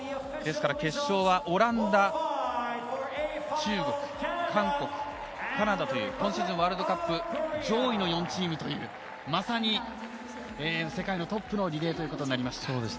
決勝はオランダ中国、韓国、カナダという今シーズンワールドカップ上位のチームというまさに世界のトップのリレーということになりました。